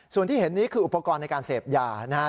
ส่วนที่เห็นนี้คืออุปกรณ์ในการเสพยานะฮะ